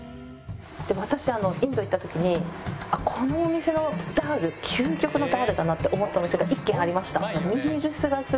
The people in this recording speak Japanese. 私インド行った時にこのお店のダール究極のダールだなって思った店が１軒ありました。